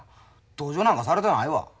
同情なんかされたないわ。